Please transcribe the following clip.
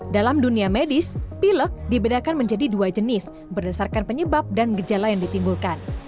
dalam dunia medis pilek dibedakan menjadi dua jenis berdasarkan penyebab dan gejala yang ditimbulkan